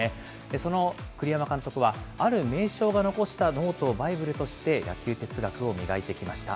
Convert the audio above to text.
その栗山監督は、ある名将が残したノートをバイブルとして、野球哲学を磨いてきました。